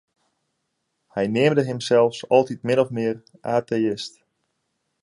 Hy neamde himsels altyd min of mear ateïst.